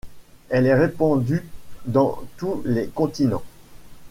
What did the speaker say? Elle est répandue dans tous les continents.